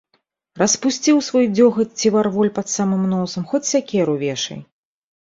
Распусціў свой дзёгаць ці варволь пад самым носам, хоць сякеру вешай.